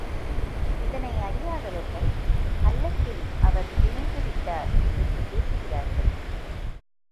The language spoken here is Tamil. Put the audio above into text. இத்னை அறியாதவர்கள் கள்ளத்தில் அவர் பிரிந்துவிட்டார் என்று பேசுகிறார்கள்.